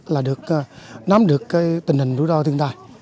là được nắm được tình hình đối đo thiên tai